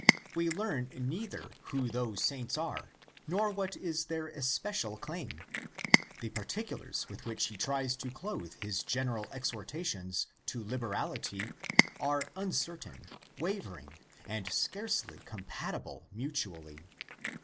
We learn neither who those saints are nor what is their especial claim. The particulars with which he tries to clothe his general exhortations to liberality are uncertain, wavering, and scarcely compatible mutually.